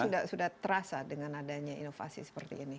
dan ini sudah terasa dengan adanya inovasi seperti ini